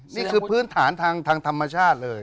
นี่คือพื้นฐานทางธรรมชาติเลย